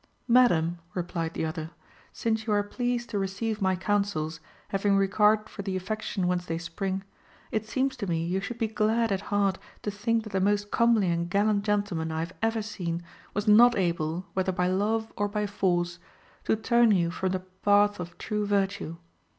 "Madam," replied the other, "since you are pleased to receive my counsels, having regard for the affection whence they spring, it seems to me you should be glad at heart to think that the most comely and gallant gentleman I have ever seen was not able, whether by love or by force, to turn you from the path of true virtue.